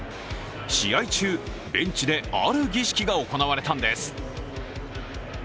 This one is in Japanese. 試合中、ベンチである儀式が行われたんです。